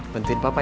bantuin papa ya